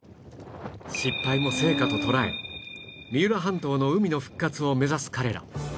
失敗も成果と捉え三浦半島の海の復活を目指す彼ら